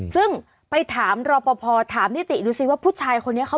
ซึ่งไปถามรอปภถามนิติดูสิว่าผู้ชายคนนี้เขา